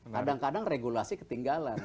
kadang kadang regulasi ketinggalan